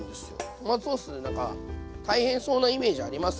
トマトソース何か大変そうなイメージありますけど。